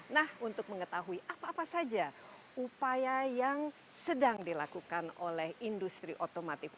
nah untuk mengetahui apa apa saja upaya yang sedang dilakukan oleh industri otomotif